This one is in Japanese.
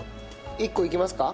１個いけますか？